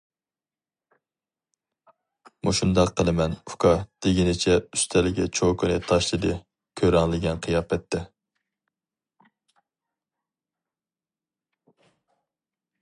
-مۇشۇنداق قىلىمەن ئۇكا دېگىنىچە ئۈستەلگە چوكىنى تاشلىدى كۆرەڭلىگەن قىياپەتتە.